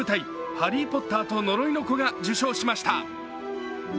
「ハリー・ポッターと呪いの子」が受賞しました。